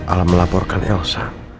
alam melaporkan elsa